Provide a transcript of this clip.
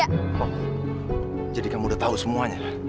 kamu jadi kamu udah tahu semuanya